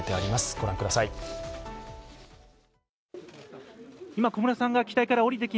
御覧ください。